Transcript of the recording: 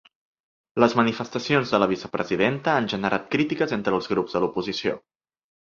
Les manifestacions de la vicepresidenta han generat crítiques entre els grups de l’oposició.